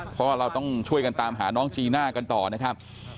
เพราะเราต้องช่วยกันตามหาน้องจีน่ากันต่อนะครับ